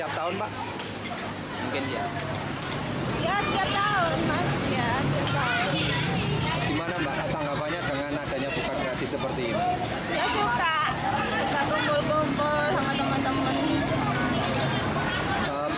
pemerintah juga menggelar di halaman vihara